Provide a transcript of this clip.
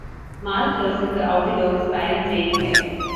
Mal closes the outer door, sparing Jayne's life.